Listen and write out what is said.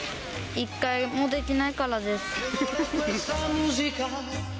１回もできないからです。